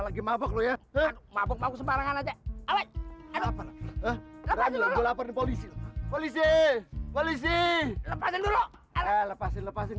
lagi mabuk lo ya mabuk mabuk sembarangan aja awet awet polisi polisi lepasin lepasin lepasin